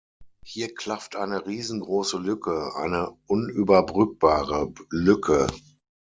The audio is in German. Hier klafft eine riesengroße Lücke, eine unüberbrückbare Lücke.